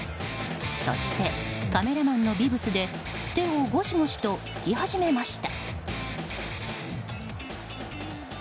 そして、カメラマンのビブスで手をごしごしと拭き始めました。